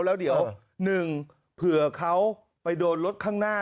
แล้วเดี๋ยว๑เผื่อเขาไปโดนรถข้างหน้า